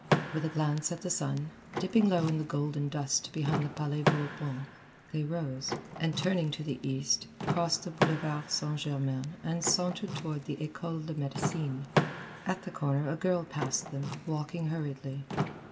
With a glance at the sun, dipping low in the golden dust behind the Palais Bourbon, they rose, and turning to the east, crossed the Boulevard St. Germain and sauntered toward the École de Médecine. At the corner a girl passed them, walking hurriedly.